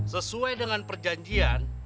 sesuai dengan perjanjian